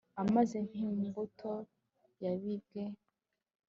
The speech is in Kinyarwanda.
amaze nk'imbuto yabibwe